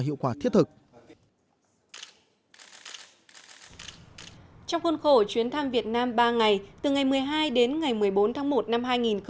giới thiệu thức trong khuôn khổ chuyến thăm việt nam ba ngày từ ngày một mươi hai đến ngày một mươi bốn tháng một năm hai nghìn một mươi bảy